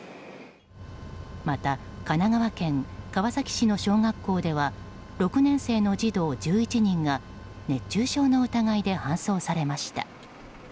また神奈川県川崎市の小学校では６年生の児童１１人が熱中症の疑いで搬送されました。